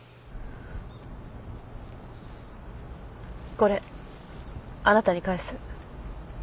これあなたに返す。